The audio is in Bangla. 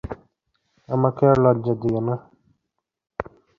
আমাকে আর লজ্জা দিয়ো না।